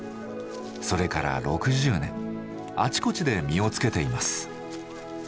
それから６０年あちこちで実をつけています。